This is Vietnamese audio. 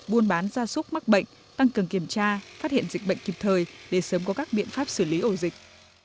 buôn bán gia súc mắc bệnh tăng cường kiểm tra phát hiện dịch bệnh kịp thời để sớm có các biện pháp xử lý ổ dịch